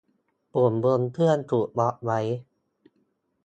ปุ่มบนเครื่องถูกล็อกไว้